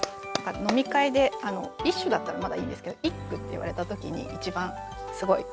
飲み会で「一首」だったらまだいいんですけど「一句」って言われた時に一番すごい困るしモヤモヤします。